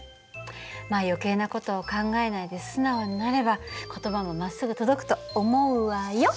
まあ余計な事を考えないで素直になれば言葉もまっすぐ届くと思うわよ。